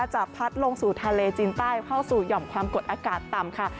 จะพัดลงสู่ทะเลจีนใต้เข้าสู่หย่อมความกดอากาศต่ำค่ะ